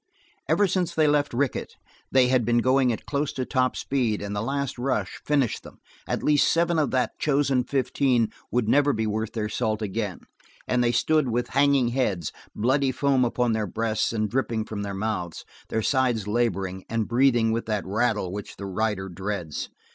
Ever since they left Rickett they had been going at close to top speed and the last rush finished them; at least seven of that chosen fifteen would never be worth their salt again, and they stood with hanging heads, bloody foam upon their breasts and dripping from their mouths, their sides laboring, and breathing with that rattle which the rider dreads.